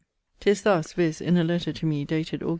'Tis thus, viz., in a letter to me, dated Aug.